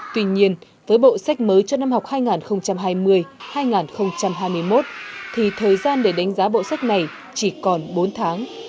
tuy nhiên với bộ sách mới cho năm học hai nghìn hai mươi hai nghìn hai mươi một thì thời gian để đánh giá bộ sách này chỉ còn bốn tháng